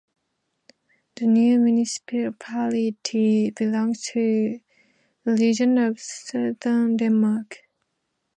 The new municipality belongs to the Region of Southern Denmark.